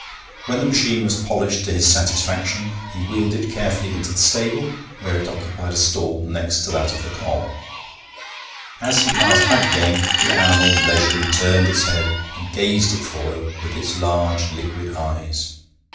When the machine was polished to his satisfaction, he wheeled it carefully into the stable, where it occupied a stall next to that of the cob. As he passed back again, the animal leisurely turned its head and gazed at Froyle with its large liquid eyes.